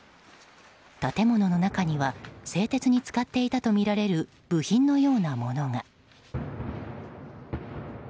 建物の中には製鉄に使っていたとみられる部品のようなものが。